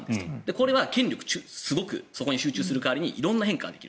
これは権力がすごくそこに集中する代わりに色んな変化ができる。